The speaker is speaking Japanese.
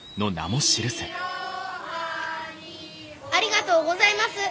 ありがとうございます。